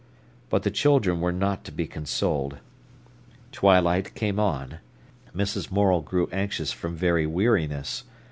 But the children were not to be consoled. Twilight came on. Mrs. Morel grew anxious from very weariness.